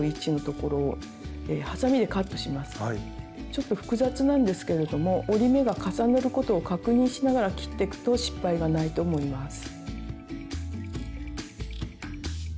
ちょっと複雑なんですけれども折り目が重なることを確認しながら切ってくと失敗がないと思います。